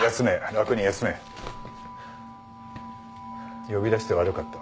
楽に休め。呼び出して悪かった。